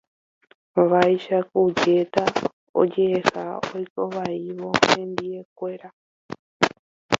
Vaicháku jéta oje'eha oikovavoi hendivekuéra.